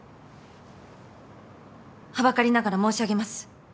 はばかりながら申し上げます。